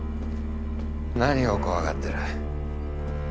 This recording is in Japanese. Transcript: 何を怖がってる？